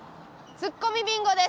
ツッコミビンゴです！